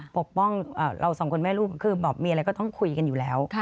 ปกป้องเราสองคนแม่ลูกคือแบบมีอะไรก็ต้องคุยกันอยู่แล้ว